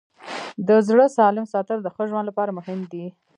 د زړه سالم ساتل د ښه ژوند لپاره مهم دي.